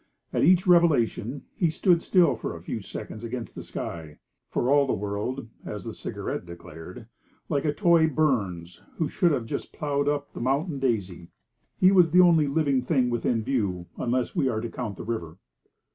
At each revelation he stood still for a few seconds against the sky: for all the world (as the Cigarette declared) like a toy Burns who should have just ploughed up the Mountain Daisy. He was the only living thing within view, unless we are to count the river.